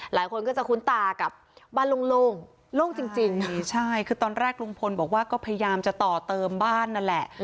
หลายคนก็จะคุ้นตากับบ้านโล่งโล่งจริงใช่คือตอนแรกลุงพลบอกว่าก็พยายามจะต่อเติมบ้านนั่นแหละ